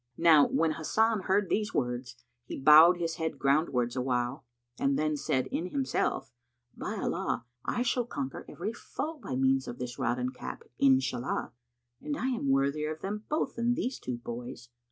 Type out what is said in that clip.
Now when Hasan heard these words, he bowed his head groundwards awhile, then said in himself, "By Allah, I shall conquer every foe by means of this rod and cap, Inshallah! and I am worthier of them both than these two boys.